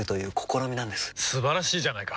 素晴らしいじゃないか！